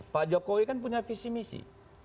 pak jokowi kan punya visi misi